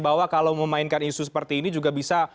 bahwa kalau memainkan isu seperti ini juga bisa